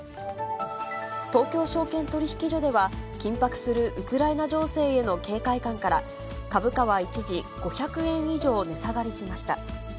東京証券取引所では、緊迫するウクライナ情勢への警戒感から、株価は一時、５００円以上値下がりしました。